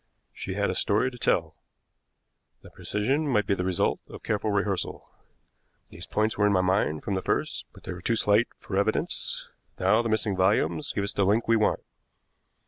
She had a story to tell. The precision might be the result of careful rehearsal. These points were in my mind from the first, but they were too slight for evidence. Now the missing volumes give us the link we want.